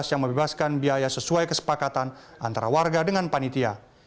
yang membebaskan biaya sesuai kesepakatan antara warga dengan panitia